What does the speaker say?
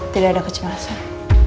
tidak ada kecemasan